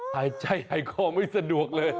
หายใจหายคอไม่สะดวกเลย